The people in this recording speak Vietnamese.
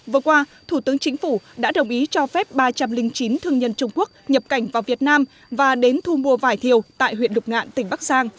vừa qua thủ tướng chính phủ đã đồng ý cho phép ba trăm linh chín thương nhân trung quốc nhập cảnh vào việt nam và đến thu mua vải thiều tại huyện lục ngạn tỉnh bắc giang